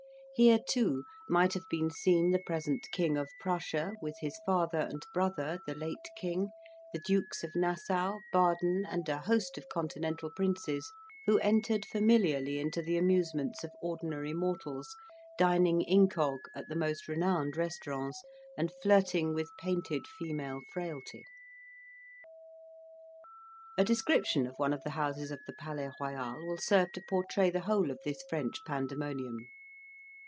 Here, too, might have been seen the present King of Prussia, with his father and brother, the late king, the Dukes of Nassau, Baden, and a host of continental princes, who entered familiarly into the amusements of ordinary mortals, dining incog. at the most renowned restaurants, and flirting with painted female frailty. A description of one of the houses of the Palais Royal, will serve to portray the whole of this French pandemonium.